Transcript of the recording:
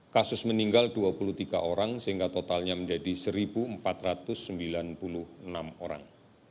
kasus meninggal dua puluh tiga orang sehingga totalnya menjadi satu empat ratus sembilan puluh enam orang